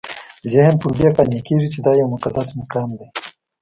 ذهن پر دې قانع کېږي چې دا یو مقدس مقام دی.